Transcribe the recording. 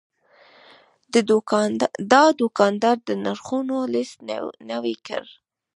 دا دوکاندار د نرخونو لیست نوي کړ.